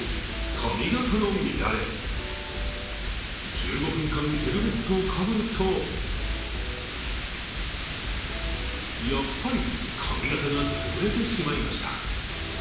１５分間ヘルメットをかぶると、やっぱり髪形が潰れてしまいました。